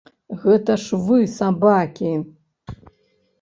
Гэта ж вы сабакі!